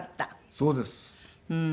そうです。ふーん。